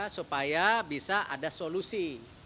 supaya bisa ada solusi